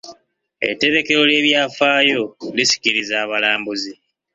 Etterekero ly'ebyafaayo lisikiriza abalambuzi.